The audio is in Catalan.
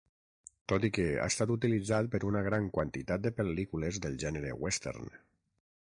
Tot i que, ha estat utilitzat per una gran quantitat de pel·lícules del gènere western.